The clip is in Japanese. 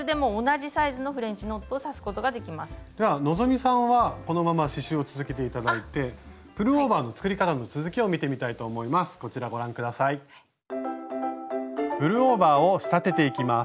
じゃあ希さんはこのまま刺しゅうを続けて頂いてプルオーバーの作り方の続きを見てみたいと思います。